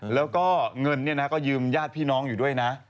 แล้วก็เงินก็ยืมญาติพี่น้องอยู่ด้วยนะ